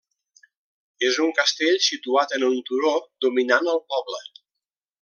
És un castell situat en un turó dominant el poble.